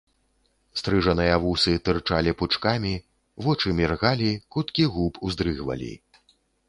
Стрыжаныя вусы тырчалі пукамі, вочы міргалі, куткі губ уздрыгвалі.